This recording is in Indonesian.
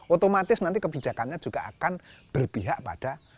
otomatis nanti kebijakannya juga akan berpihak pada rakyat akan propor